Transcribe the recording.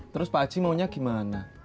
terus pak aji maunya gimana